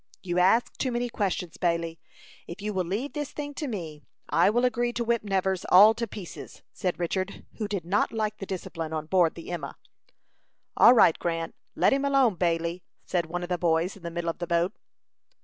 "You ask too many questions, Bailey. If you will leave this thing to me, I will agree to whip Nevers all to pieces," said Richard, who did not like the discipline on board the Emma. "All right, Grant. Let him alone, Bailey," said one of the boys in the middle of the boat.